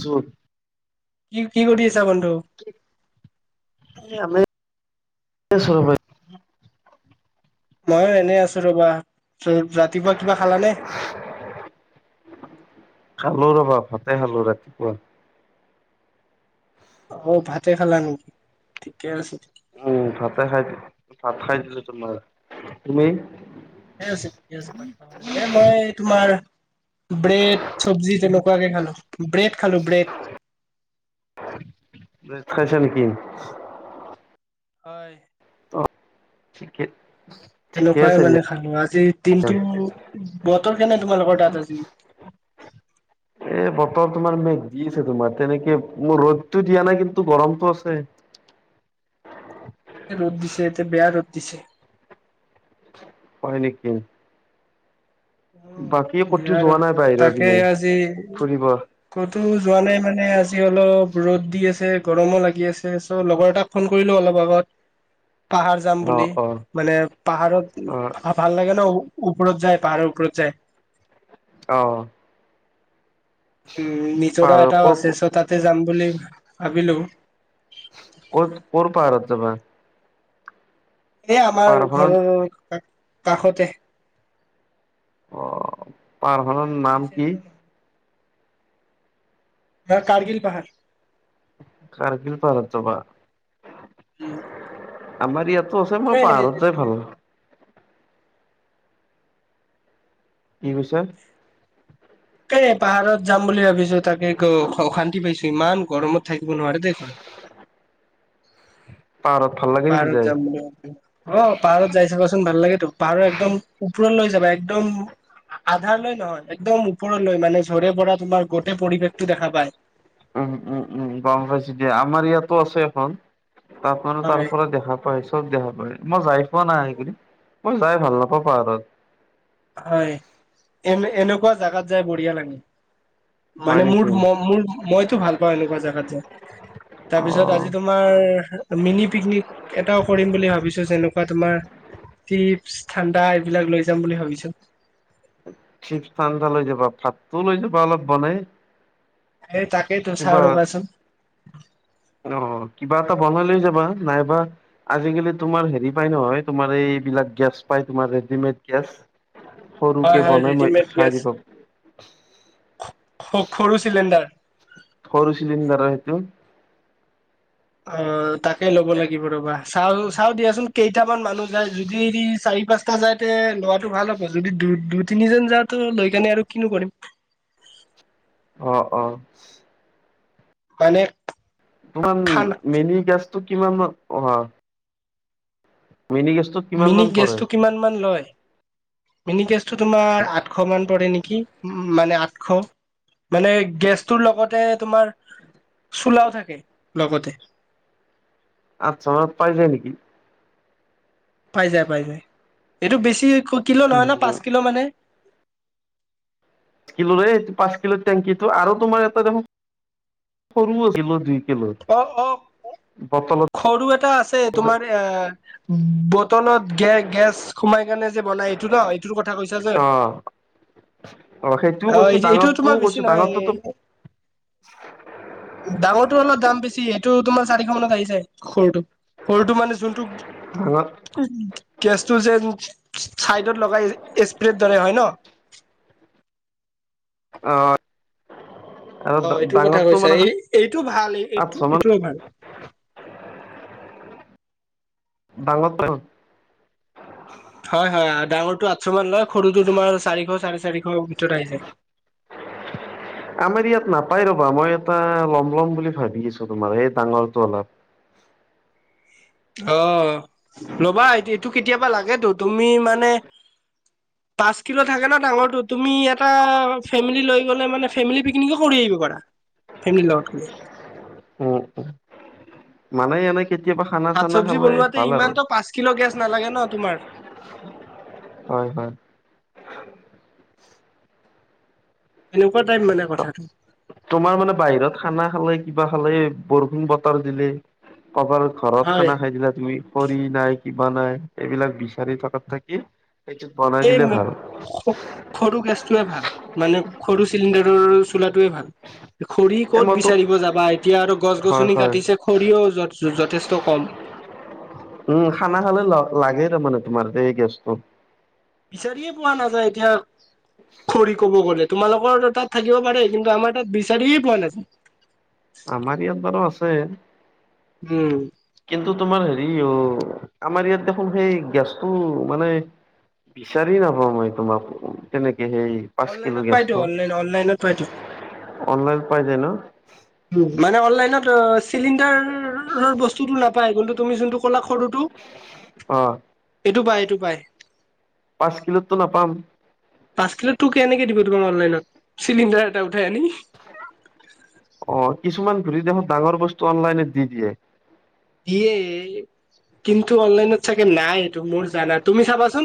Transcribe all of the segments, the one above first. যত কি -কি কৰি আছা বন্ধু? এ আমি [unintelligible] মইয়ো এনে আছো ৰবা [unintelligible] ৰাতিপুৱা কিবা খালানে? খালো ৰবা ভাতে খালো ৰাতিপুৱা। ঔ ভাতে খালা নি ঠিকে আছে। উম, ভাতে খাই ভাত খাই দিলোঁ তোমাৰ তুমি? ঠিকে আছে- ঠিকে আছে [unintelligible] এ মই তোমাৰ ব্ৰেড চবজি তেনেকুৱাকে খালো ব্ৰেড খালো ব্ৰেড। ব্ৰেড খাইছা নেকি? হয়। অ, ঠিকে ঠিকে তেনেকুৱাই আছে দিয়া। মানে খালো আজি দিনটো বতৰ কেনে তোমালোকৰ তাত আজি? এ বতৰ তোমাৰ মেঘ দিছে তোমাৰ তেনেকে ৱ' ৰ'দতো দিয়া নাই কিন্তু গৰমটো আছে। এ ৰ'দ দিছে এতিয়া বেয়া ৰ'দ দিছে। হয় নেকি? উম, বাকী ক'তো বেয়া যোৱা ৰ'দ নাই বাহিৰৰ তাকে পিনে আজি ফুৰিব? ক'তো যোৱা নাই মানে আজি অলপ ৰ'দ দি আছে গৰমো লাগি আছে চ' লগৰ এটাক ফোন কৰিলোঁ অলপ আগত। [inaudible] পাহাৰ যাম বুলি অ' অ' মানে পাহাৰত অ' ভাল লাগে ন' ওপৰত যায় পাহাৰৰ ওপৰত যায়। অ', উম, নিজৰা পাহাৰ এটাও ক'ত আছে চ' তাতে যাম বুলি ভাবিলোঁ। ক'ত? ক'ৰপাহাৰত যাবা? এ আমাৰ পাহাৰখনৰ ঘৰৰ কাষতে। অ, পাহাৰ খনৰ নাম কি? দা কাৰগিল পাহাৰ। কাৰগিল পাহাৰত যাবা? আমাৰ ইয়াতো আছে তাকে মই পাহাৰত যাই ভাল কি কৈছে? এ পাহাৰত যাম বুলি ভাবিছোঁ তাকে অশান্তি পাইছো ইমান গৰমত থাকিব নোৱাৰে দেই হয়। পাহাৰত ভাল লাগে নেকি পাহাৰত যাই? যাম বুলি অ, পাহাৰত যাই চাবাচ চুন ভাল লাগেতো পাহাৰৰ একদম উপৰলেই ওপৰৰত লৈ যাবা একদম। আধাৰ লৈ নহয় একদম ওপৰলৈ মানে জৰে পৰা তোমাৰ গোটেই পৰিৱেশতটো দেখা পায়। উম-উম উম -গম পাইছো দিয়া আমাৰ ইয়াতো আছে এখন তাত মানে তাৰ হয় পৰা দেখাত পাই চব দেখা পায় মই যায় পোৱা নাই সিখিনি মই যায় ভাল নাপাওঁ পাহাৰত। হয় এনিউনেকুৱা জাগাত যায় বঢ়িয়া লাগে। মানে হয় মুদ নেকি ম মুদজাগাত মইতো ভালপাওঁ এনেকুৱা জাগাত যাই তাৰ অ পিছত আজি তোমাৰ মিনি পিকনিক এটাও কৰিম বুলি ভাবিছোঁ যেনেকুৱা তোমাৰ টিপছ ঠাণ্ডা এইবিলাক লৈ যাম বুলি ভাবিছোঁ। চিপ ঠাণ্ডা লৈ যাবা ভাতটো লৈ যাবা অলপ বনাই। এ তাকেই তো কিবা চাও ৰবাচোন। অ কিবা এটা বনাই লৈ যাবা নাইবা আজিকালি তোমাৰ হেৰি পাই নহয় তোমাৰ এইবিলাক গেছ পায় তোমাৰ ৰেডিমেড গেছ। হয় সৰুকে হয় বনাই মই ৰেডিমেড খাই দিবপ স সৰু চিলিণ্ডাৰ। সৰু চিলিণ্ডাৰ সেইটো। অ তাকে ল'ব লাগিব ৰবা চাও চাও দিয়াচোন। কেইটামান মানুহ যায় যদি চাৰি পাঁচ তা যাইতে লোৱাটো ভাল হ'ব। যদি দু দুই তিনিজন যা তো লৈ কেনে আৰু কিনো কৰিম। অ অ। হয়নে? তোমাৰ মেনি গেছটো কিমান অহা মিনি গেছটোত কিমান মিনি মান পৰে গেছটো কিমান মান লয়? মিনি কেছটো তোমাৰ আঠশ মান পৰে নেকি মানে আঠশ। মানে গেছটোৰ লগতে তোমাৰ চোলাও থাকে লগতে। আঠশ মানত পায় যায় নেকি? পাই যায় পাই যায়। এইটো বেছি কিলো নহয় ন পাঁচ কিলো মানে। কিলো ৰে পাঁচ কিলো টেংকিটো আৰু তোমাৰ এটা দেখোন সৰু কিলো দুই কিলো অ অ বটলত সৰু এটা আছে তোমাৰ এ বটলত গে গেছ সোমাই কাৰণে যে বনাই সেইটো ত ইট- তোৰ কথা কৈছা যে অ অ সেইটোও অ কৈছো এই যে এইটো তোমাৰ ডাঙৰটোও বেছি কৈছো নহয় এইয়ে ডাঙৰটোতো ডাঙৰটোৰ অলপ দাম বেছি সেইটো তোমাৰ চাৰিশ মানত আহি যায় সৰুটো। সৰুটো মানে যোনটো হ'লত উম গেছটো যেন চাইডত লগাই স্প্ৰেড দৰে হয় ন? অ। আৰু অ এইটো কথা ডাঙৰটো কৈছা। মানে এই এইটো ভাল এই এইটো আঠশ মান এইটোও ভাল। [unintelligible] হয় হয় ডাঙৰটো আঠশ মান লয়, সৰুটো তোমাৰ চাৰিশ চাৰে চাৰিশ ভিতৰত আহি যায়। আমাৰ ইয়াত নাপাই ৰবা মই এটা লম লম বুলি ভাবি আছো তোমাৰ এই ডাঙৰটো অলপ। অ ল'বা এইটো কেতিয়াবা লাগেতো তুমি মানে [inaudible] পাঁচ কিলো থাকে ন ডাঙৰটো তুমি এটা ফেমেলি লৈ গলে মানে ফেমেলি পিকনিকো কৰি আহিব পাৰা। ফেমিল লগত গ'লে। উম মানে এনেক- কেতিয়াবা খানা ভাত চানা চব্জি খালে বনোৱাতে ভাল আৰু ইমানতো পাঁচ কিলো গেছ নালাগে ন তোমাৰ। হয় হয়। এনেকুৱা টাইপ মানে কথাটো। তোমাৰ মানে বাহিৰত খানা খালে কিবা খালে বৰফিং বতাৰ দিলে কবাৰ ঘৰত হয় খানা খাই দিলা তুমি খৰি নাই কিবা নাই এইবিলাক বিচাৰি থকাত থাকি এইটোত বনাই এই দিলে [unintelligible] ভাল সৰু গেছটোৱে ভাল, মানে সৰু চিলিণ্ডাৰৰ চোলাটোৱে ভাল। খৰি এ ক'ত মইতো বিচাৰিব যাবা এতিয়া আৰু হয় গছ-গছনি হয় কাটিছে। খৰিয়ও যথেষ্ট কম। উম, খানা খালে ল লাগে ৰ মানে তোমাৰ এই গেছটো। বিচাৰিয়ে পোৱা নাযায় এতিয়া। খৰি ক'ব গ'লে তোমালোকৰ তাত থাকিব পাৰে কিন্তু আমাৰ তাত বিচাৰিয়ে পোৱা নাযায়। আমাৰ ইয়াত বাৰু আছে। উম, কিন্তু তোমাৰ হেৰি অ, আমাৰ ইয়াত দেখোন সেই গেছটো মানে বিচাৰি নাপাওঁ মই তোমাক তেনেকে সেই পাঁচ কিলো অনলাইনত পাইটো গেছটো অনলাইন অনলাইনত পাইটো অনলাইন পাই যায় ন উ মানে অনলাইনত অ চিলিণ্ডাৰৰ বস্ স্তুটো নাপায় কিন্তু তুমি যোনটো কলা সৰুটো অ এইটো পায় - এইটো পায়। পাঁচ কিলো টো নাপাম। পাঁচ কিলো টো কেনেকে দিব তোমাক অনলাইনত চিলিণ্ডাৰ এটা উঠাই আনি অ, কিছুমান ধৰি দেশত ডাঙৰ বস্তু অনলাইনত দি দিয়ে। দিয়ে কিন্তু অনলাইনত চাগে নাই এইটো মোৰ জানা তুমি চাবাচোন।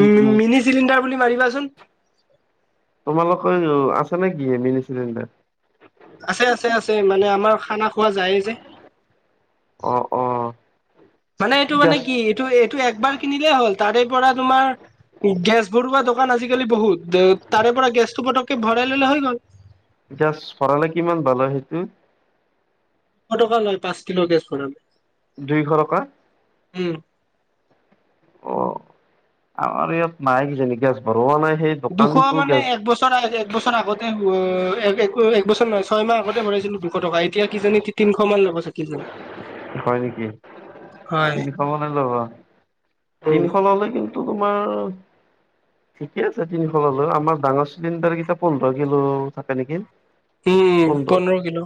উম, মিনি চিলিণ্ডাৰ বুলি মাৰিবাচোন। তোমালোকৰ আছে নে কি মিনি চিলিণ্ডাৰ? আছে- আছে - আছে মানে আমাৰ খানা খোৱা যায়ে যে। অ অ মানে এইটো মানে গেছ কি এইটো এইটো একবাৰ কিনিলে হ'ল তাৰে পৰা তোমাৰ গেছ ভৰোৱা দোকান আজিকালি বহুত তাৰে পৰা গেছ টো পটককে ভৰাই ল'লে হৈ গ'ল গেছ ভৰালে কিমান বা লয় সেইটো এশ টকা লয় পাঁচ কিলো গেছ ভৰালে দুইশ টকা উম অ আমাৰ ইয়াত নাই কিজানি গেছ ভৰুৱা নাই সেই দুশ দোকানতো মানে গেছ এক বছৰ এক বছৰ আগতে এক বছৰ নহয় ছয় মাহ আগতে ভৰাইছিলো দুশ টকা এতিয়া কি জানি তিশ মান লব চাকি যোন [unintelligible] হয় নেকি হয় তিনিশমানে লব উম তিনিশ ললে কিন্তু টো তোমাৰ ঠিকে আছে তিনিশ ললো আমাৰ ডাঙৰ চিলিণ্ডাৰ কেইটা পোন্ধৰ কিলো থাকে নেকি উম উম পোন্ধৰ কিলো,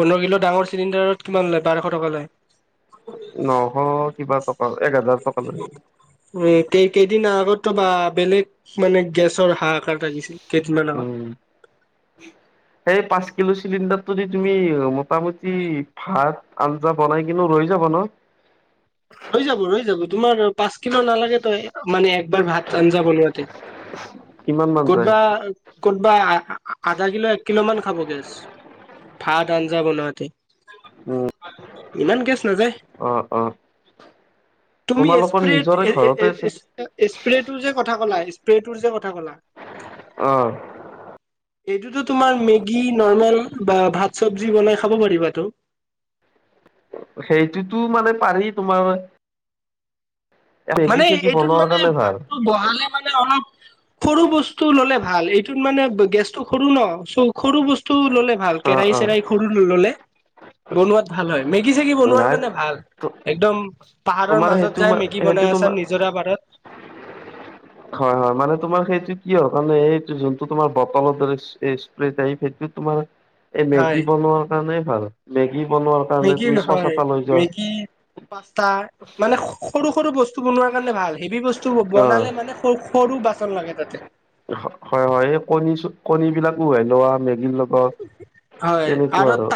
পোন্ধৰ কিলো ডাঙৰ চিলিণ্ডাৰত কিমান লয় বাৰশ টকা লয় নশ কিবা টকা এক হাজাৰ টকা লয় এ কেই কেইদিন আগতো বা বেলেগ মানে গেছৰ হাহাকাৰ লাগিছিল কেইদিনমান আগত [unintelligible] সেই পাঁচ কিলো চিলিণ্ডাৰটোদি তুমি মোটামুটি ভাত আঞ্জা বনাই কিনো ৰৈ যাব ন ৰৈ যাব ৰৈ যাব তোমাৰ পাঁচ কিলো নালাগে ত মানে একবাৰ ভাত আঞ্জা বনোৱাতে কিমান মান যায় ক'তবা ক'তবা আধা কিলো এক কিলো মান খাব গেছ ভাত আঞ্জা বনোৱাতে উম ইমান গেছ নাযায় অ অ তুমি তোমালোকৰ নিজৰে ঘৰতে আছিল স্প্ৰে টোৰ যে কথা ক'লা স্প্ৰে তোৰ যে কথা কলা অ এইটোতো তোমাৰ মেগী, নৰ্মেল বা ভাত চবজি বনাই খাব পাৰিবাটো সেইটোতো মানে পাৰি তোমাৰ মেগী মানে চেগি এইটোত বনোৱাৰ মানে কাৰণে ভাল ভাতটো বহালে মানে অলপ সৰু বস্তু ললে ভাল এইটোত মানে গেছটো সৰু ন চ সৰু বস্তু ললে ভাল অ কেৰাহী অ চেৰাহ সৰু ললে বনোৱাত ভাল হয় মেগী চেগি বনোৱাৰ নাই কাৰণে ভাল একদম পাহাৰৰ তোমাৰ মাজত সেইটো যাই মা মেগী সেইটো বনাই আছা তোমাৰ নিজৰা পাৰত হয় হয় মানে তোমাৰ সেইটো কি হয় তে এই যোনটো তোমাৰ বটলৰ দৰে প্ৰেত আহি সেইটো তোমাৰ এই হয় মেগী বনোৱাৰ কাৰণে ভাল মেগী বনোৱাৰ কাৰণে তুমি চচ এটা লৈ যোৱা পাছতা মানে স সৰু সৰু বস্তু বনোৱাৰ কাৰণে ভাল হেভি বস্তু অ বনালে মানে সৰু সৰু বাচন লাগে তাতে হয় হয় এই কণী কণী বিলাকো হেনোৱা মে ৰ লগত তেনেকোৱা আৰু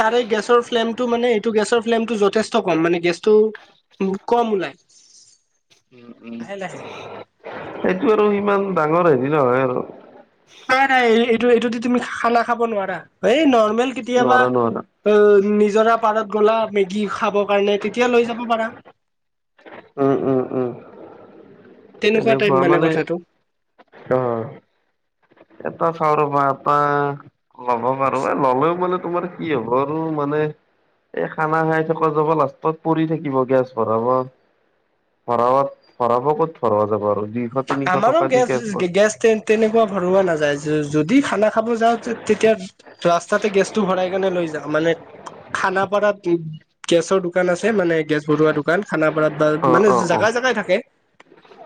তাৰ এই গেছৰ ফ্লেমটো মানে এইটো গেছৰ ফ্লেমটো যথেষ্ট কম মানে গেছটো বহুত কম ওলাই উম উ লাহে লাহে সেইটো আৰু ইমান ডাঙৰ হেৰি নহয় আৰু নাই নাই এইটো এইটোতো তুমি খানা খাব নোৱাৰা এই নৰ্মেল কেতিয়াবা নোৱাৰা নোৱাৰা অ নিজৰা পাৰত গ'লা মেগী খাব কাৰণে তেতিয়া লৈ যাব পাৰা উ উ উম উম তেনেকুৱা টাইপ এনেকোৱা মানে কথাটো অ এপ এটা চাও ৰবা এপা ল'ব পাৰো ন ললেও মানে তোমাৰ কি হ'ব আৰু মানে এই খানা খাই থকা যাব লাষ্টত পৰি থাকিব গেছ ভৰাব ভৰাবাত ভৰাব কত ভৰোৱা যাব আৰু যি আমাৰো গেছ গেছ তেনেকোৱা ভৰুৱা নাযায় যদি খানা খাব যাওঁতে তেতিয়া ৰাস্তাতে গেছটো ভৰাই কেনে লৈ যাওঁ মানে খানাপাৰাত উ গেছৰ দোকান আছে মানে গেছ ভৰোৱা দোকান খানাপাৰাত বা অ মানে অ অ জাগাই জাগাই থাকে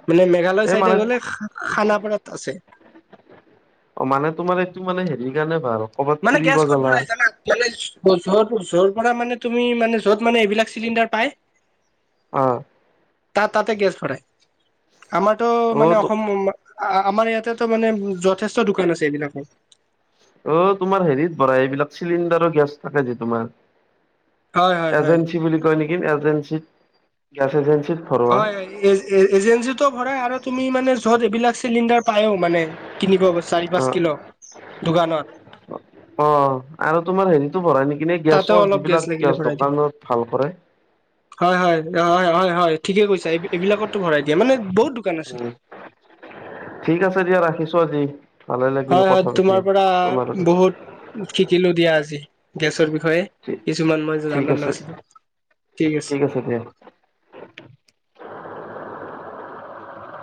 মানে মেঘালয় এই চাইদে মানে গ'লে খা খানাপাৰাত আছে অ মানে তোমাৰ এইটো মানে হেৰি কাৰণে ভাল কৰ'বাত মানে ফুৰিব গেছ ক'ত গলা ভৰাই জানা মানে যৰটো যৰ পৰা মানে তুমি মানে য'ত মানে এইবিলাক চিলিণ্ডাৰ পাই অ তাত তাতে গেছ ভৰাই আমাৰতো মানে অ অসম আমাৰ ইয়াতে ত মানে যথেষ্ট দোকান আছে এইবিলাকৰ অ তোমাৰ হেৰিত ভৰা এইবিলাক চিলিণ্ডাৰৰ গেছ থাকে যে তোমাৰ হয় হয় হয় এজেঞ্চি বুলি কয় নেকি এজেঞ্চিত গেছ এজেঞ্চিত ভৰোৱা হয় এ এ এজেঞ্চিটো ভৰাই আৰু তুমি মানে য'ত এইবিলাক চিলিণ্ডাৰ পায়ো মানে কিনিব চাৰি পাঁচ অ' কিলো দোকানত অ আৰু তোমাৰ হেৰিতো ভৰাই নেকি তাতেও গেছৰ অলপ যিবিলাক লাগিলে গেছ ভৰাই দিয়ে দোকানত ভাল কৰে হয় হয় হয় হয় হয় ঠিকে কৈছে এই এইবিলাকতো ভৰাই দিয়ে মানে বহুত দোকান উ আছে ঠিক আছে দিয়া ৰাখিছো আজি ভালে লাগিল হয় হয় কথা পাতি তোমাৰ পৰা তোমাৰ লগত বহুত শিকিলো দিয়া আজি গেছৰ বিষয়ে কিছুমান মই ঠিক জানা আছে নাছিলো ঠিক আছে ঠিক দিয়া